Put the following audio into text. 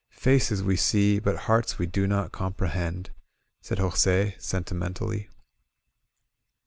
Faces we see, but hearts we do not comprehend," said Jos£, sentimentally.